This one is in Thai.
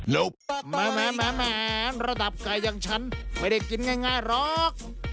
ฮื้าฮาฮาฮาหลากไม่มามาหมาระดับไก่อย่างฉันไม่ได้กินง่ายง่ายรอบ